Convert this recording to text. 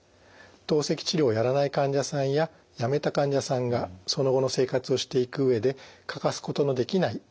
透析治療をやらない患者さんややめた患者さんがその後の生活をしていく上で欠かすことのできない大切な治療になります。